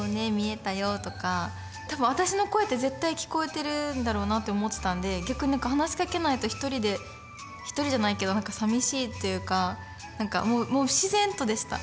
多分私の声って絶対聞こえてるんだろうなって思ってたんで逆に何か話しかけないと一人で一人じゃないけど何かさみしいっていうか何かもう自然とでした。